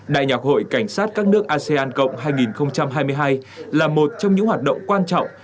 đại nhạc hội cảnh sát các nước asean cộng hai nghìn hai mươi hai là một trong những hoạt động quan trọng